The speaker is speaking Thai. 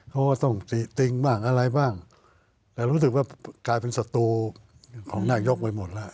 เขาก็ต้องติติงบ้างอะไรบ้างแต่รู้สึกว่ากลายเป็นศัตรูของนายกไปหมดแล้ว